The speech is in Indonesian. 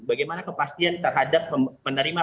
bagaimana kepastian terhadap penerima